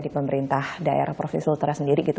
di pemerintah daerah provinsi sultra sendiri gitu